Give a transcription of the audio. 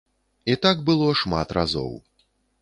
І так было шмат разоў.